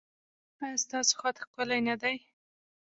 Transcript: ایا ستاسو خط ښکلی نه دی؟